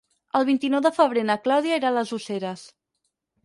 El vint-i-nou de febrer na Clàudia irà a les Useres.